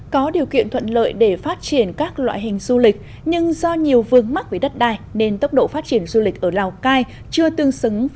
có điều kiện thuận lợi để phát triển các loại hình du lịch nhưng do nhiều vương mắc với đất đai nên tốc độ phát triển du lịch ở lào cai chưa tương xứng với